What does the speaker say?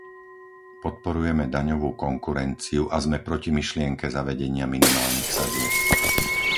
Podporujeme daňovú konkurenciu a sme proti myšlienke zavedenia minimálnych sadzieb.